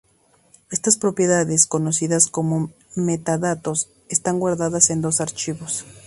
Estas propiedades, conocidas como metadatos, están guardadas en dos archivos.